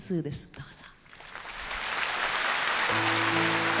どうぞ。